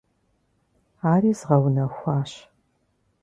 Ари згъэунэхуащ.